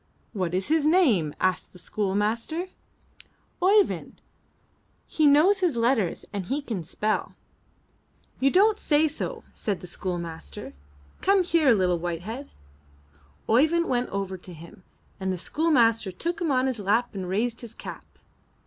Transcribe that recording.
'What is his name?'' asked the schoolmaster. * 'Oeyvind. He knows his letters and he can spell." 367 MY BOOK HOUSE You don't say so," said the schoolmaster. Come here, Httle Whitehead.'' Oeyvind went over to him; the schoolmaster took him on his lap and raised his cap.